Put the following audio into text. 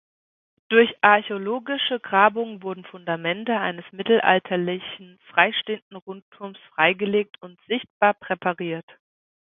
Durch archäologische Grabungen wurden Fundamente eines mittelalterlichen freistehenden Rundturms freigelegt und sichtbar präpariert.